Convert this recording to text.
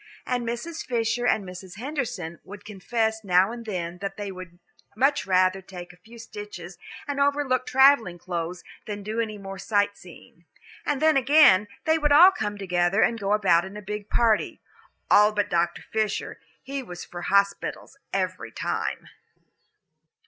And Mrs. Fisher and Mrs. Henderson would confess now and then that they would much rather take a few stitches and overlook the travelling clothes than do any more sight seeing. And then again, they would all come together and go about in a big party. All but Dr. Fisher he was for hospitals every time.